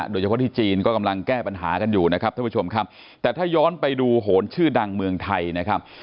โดยเฉพาะที่จีนก็กำลังแก้ปัญหากันอยู่นะครับท่านผู้ชมครับแต่ถ้าย้อนไปดูโหนชื่อดังเมืองไทยนะครับ